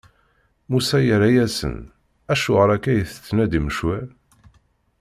Musa yerra-asen: Acuɣer akka i tettnadim ccwal?